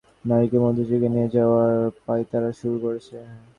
বর্তমান সময়ে প্রতিক্রিয়াশীল গোষ্ঠী নারীকে মধ্যযুগে নিয়ে যাওয়ার পাঁয়তারা শুরু করেছে।